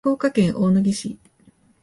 福岡県大野城市